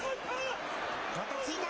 また突いた。